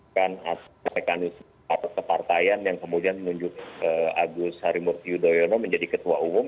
dan mereka harus ke partai yang kemudian menunjuk agus harimurti yudhoyono menjadi ketua umum